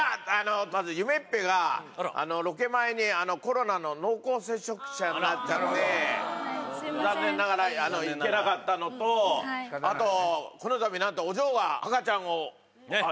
まず夢っぺが、ロケ前にコロナの濃厚接触者になっちゃって、残念ながら行けなかったのと、あと、このたびなんと、お嬢が赤ちゃんをね。